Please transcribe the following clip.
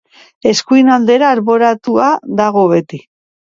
Eskuin aldera alboratua dago beti.